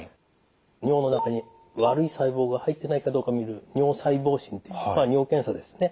尿の中に悪い細胞が入ってないかどうか診る尿細胞診っていうまあ尿検査ですね。